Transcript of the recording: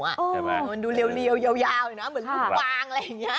ใช่ไหมมันดูเรียวยาวนะเหมือนลูกวางอะไรอย่างนี้